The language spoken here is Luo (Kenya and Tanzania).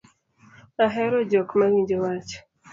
Ahero jok ma winjo wach